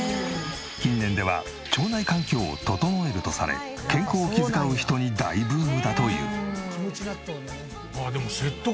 近年では腸内環境を整えるとされ健康を気遣う人に大ブームだという。